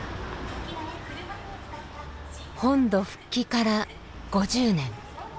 本土復帰から５０年。